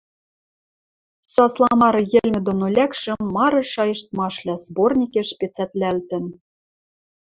Суасламары йӹлмӹ доно лӓкшӹ «Мары шайыштмашвлӓ» сборникеш пецӓтлӓлтӹн.